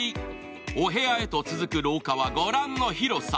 お部屋へと続く廊下はご覧の広さ。